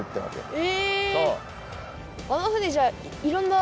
え。